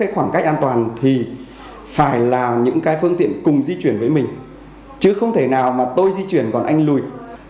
ở đây bản thân cái ý thức chủ quan của chúng ta phải là những cái phương tiện cùng di chuyển với mình chứ không thể nào mà tôi di chuyển còn anh lùi